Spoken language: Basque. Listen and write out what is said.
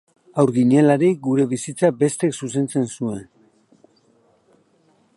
Haur ginelarik, geure bizitza bestek zuzentzen zuen